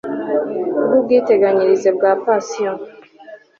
bw ubwiteganyirize bwa pansiyo